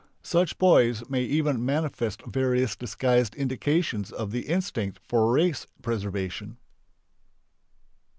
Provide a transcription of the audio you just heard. Such boys may even manifest various disguised indications of the instinct for race preservation.